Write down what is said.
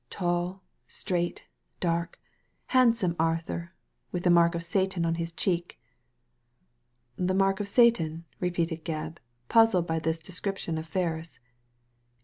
Tall, straight, dark, handsome Arthur, with the mark of Satan on his cheek." " The mark of Satan !" repeated Gebb, puzzled by this description of Ferris.